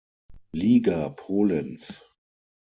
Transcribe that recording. Liga Polens.